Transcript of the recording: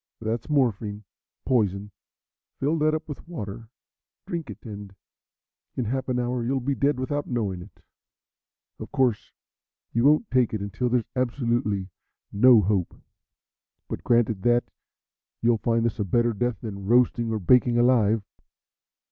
"That's morphine poison. Fill that up with water, drink it, and in half an hour you'll be dead without knowing it. Of course, you won't take it until there's absolutely no hope; but, granted that, you'll find this a better death than roasting or baking alive."